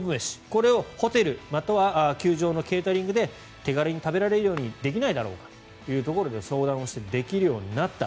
これをホテルまたは球場のケータリングで手軽に食べられるようにできないだろうかというところで相談をしてできるようになった。